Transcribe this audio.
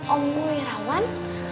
om mui rawan